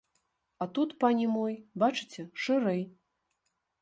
А тут, пане мой, бачыце, шырэй.